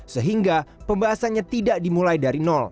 sehingga pembahasannya tidak dimulai dari nol